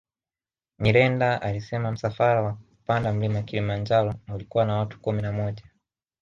Nyirenda alisema msafara wa kupanda Mlima Kilimanjaro ulikuwa na watu kumi na moja